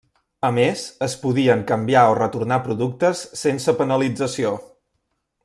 A més, es podien canviar o retornar productes sense penalització.